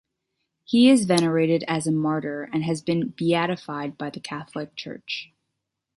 He is venerated as a martyr and has been beatified by the Catholic Church.